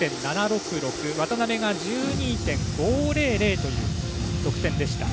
渡部が１２．５００という得点でした。